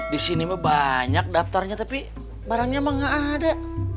disini mah banyak daptarnya tapi barangnya mah gak ada